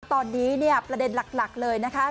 ตอนนี้ประเด็นหลักเลยนะคะ